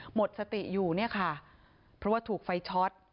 หมดสติอยู่เนี่ยค่ะเพราะว่าถูกไฟช็อต